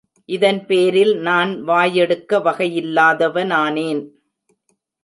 இதன் பேரில் நான் வாயெடுக்க வகையில்லாதவனானேன்.